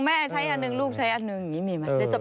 แม่ใช้อันหนึ่งลูกใช้อันหนึ่ง